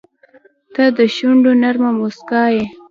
• ته د شونډو نرمه موسکا یې.